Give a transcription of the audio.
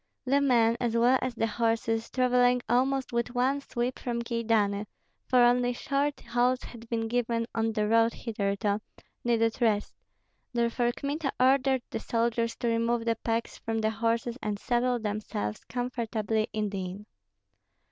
The men, as well as the horses, travelling almost with one sweep from Kyedani (for only short halts had been given on the road hitherto), needed rest; therefore Kmita ordered the soldiers to remove the packs from the horses and settle themselves comfortably in the inn.